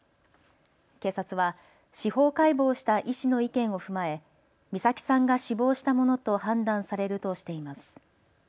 警察は司法解剖した医師の意見を踏まえ美咲さんが死亡したものと判断されるとしています。